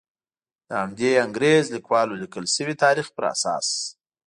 د همدې انګریز لیکوالو لیکل شوي تاریخ په اساس.